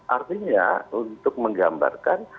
artinya untuk menggambarkan